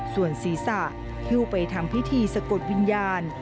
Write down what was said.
ส่วนศีรษะฮิ้วไปทำพิธีสะกดวิญญาณ